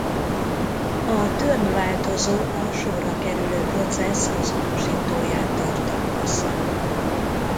A ‘turn’ változó a sorra kerülő processz azonosítóját tartalmazza.